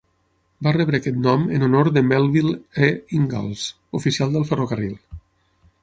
Va rebre aquest nom en honor de Melville E. Ingalls, oficial del ferrocarril.